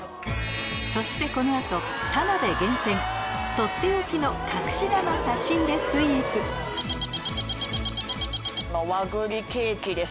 そしてこの後田辺厳選とっておきの隠し玉差し入れスイーツうわ！